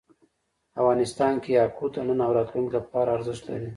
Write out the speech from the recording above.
افغانستان کې یاقوت د نن او راتلونکي لپاره ارزښت لري.